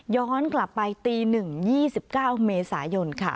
ย้อนกลับไปตีหนึ่งยี่สิบเก้าเมษายนค่ะ